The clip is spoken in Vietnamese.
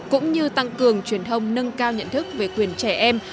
cũng như tăng cường truyền thông nâng cao nhận thức về quyền trẻ em